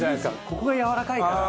ここがやわらかいから。